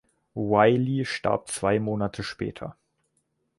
Wylie starb zwei Monate später.